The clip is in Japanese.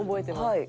はい。